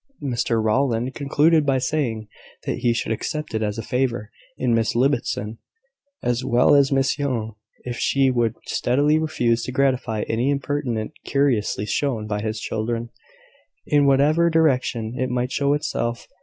Mr Rowland concluded by saying, that he should accept it as a favour in Miss Ibbotson, as well as Miss Young, if she would steadily refuse to gratify any impertinent curiosity shown by his children, in whatever direction it might show itself.